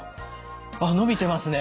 あっ伸びてますね。